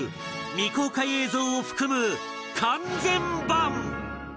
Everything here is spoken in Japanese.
未公開映像を含む完全版！